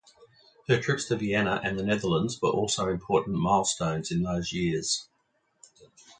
Her trips to Vienna and the Netherlands were also important milestones in those years.